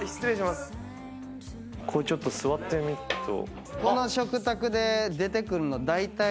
これちょっと座ってみると。